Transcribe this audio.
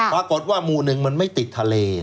ปรากฏว่าหมู่หนึ่งมันไม่ติดทะเล